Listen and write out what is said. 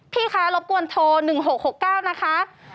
พี่คะรบกวนโทร๑๖๖๙นะคะ